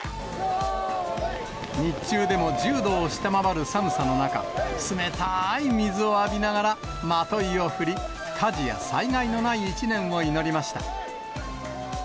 日中でも１０度を下回る寒さの中、冷たーい水を浴びながら、まといを振り、火事や災害のない一年を祈りました。